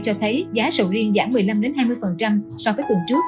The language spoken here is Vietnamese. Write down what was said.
cho thấy giá sầu riêng giảm một mươi năm hai mươi so với tuần trước